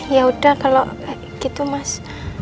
ya udah kalau gitu mas